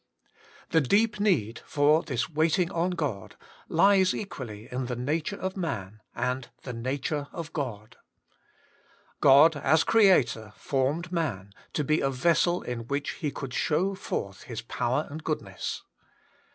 The deep need for this waiting on God lies equally in the nature of man and the nature of God. God, as Creator, formed man, to be a vessel in which He could show forth His power and goodness.